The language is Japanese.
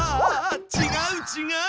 ちがうちがう。